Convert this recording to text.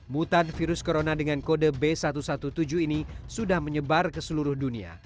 mutan virus corona dengan kode b satu satu tujuh ini sudah menyebar ke seluruh dunia